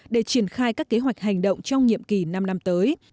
để triển khai các kế hoạch hành động trong nhiệm kỳ năm năm tới